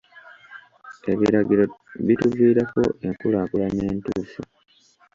Ebiragiro bituviirako enkulaakulana entuufu.